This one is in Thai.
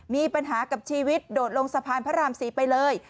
มีปัญหากับชีวิตโดดลงสะพานพระราม๔ไปเลย